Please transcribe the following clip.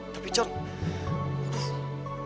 tapi con aduh